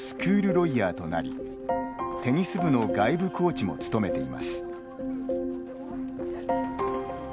ロイヤーとなりテニス部の外部コーチも務めています。